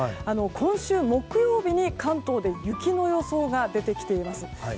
今週木曜日に関東で雪の予想が出てきています。